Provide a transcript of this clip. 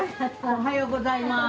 おはようございます。